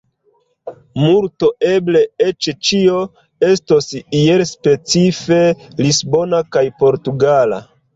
Multo, eble eĉ ĉio, estos iel specife lisbona kaj portugala.